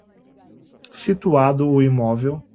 situado o imóvel